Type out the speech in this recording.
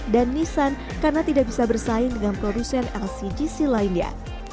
dan nissan karena tidak bisa bersaing dengan produsen lcgc lainnya